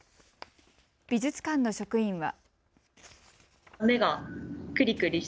美術館の職員は。